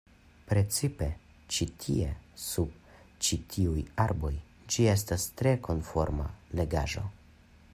Precipe ĉi tie, sub ĉi tiuj arboj ĝi estas tre konforma legaĵo.